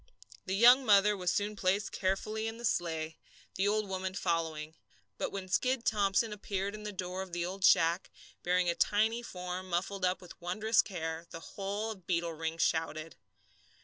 The young mother was soon placed carefully in the sleigh, the old woman following. But when Skid Thomson appeared in the door of the old shack, bearing a tiny form muffled up with wondrous care, the whole of Beetle Ring shouted.